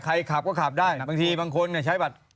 ขับก็ขับได้บางทีบางคนใช้บัตร